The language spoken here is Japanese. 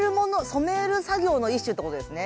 染める作業の一種ってことですね。